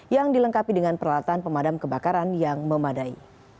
yang dilengkapi dengan peralatan pemadam kebakaran yang memadai